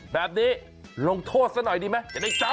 แบบนี้ลงโทษซะหน่อยดีไหมจะได้จับ